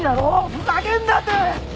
ふざけんなて！